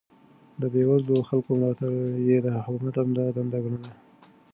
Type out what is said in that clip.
د بې وزلو خلکو ملاتړ يې د حکومت عمده دنده ګڼله.